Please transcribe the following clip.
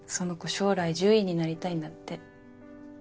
将来獣医になりたいんだって。